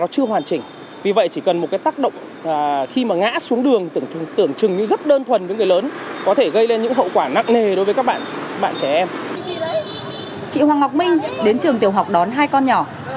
chị hoàng ngọc minh đến trường tiểu học đón hai con nhỏ